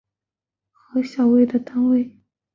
核小体的基本单位。